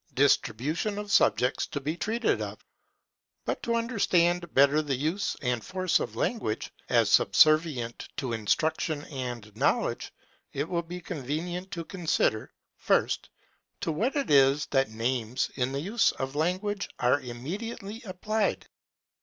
Distribution of subjects to be treated of. But to understand better the use and force of Language, as subservient to instruction and knowledge, it will be convenient to consider: First, TO WHAT IT IS THAT NAMES, IN THE USE OF LANGUAGE, ARE IMMEDIATELY APPLIED.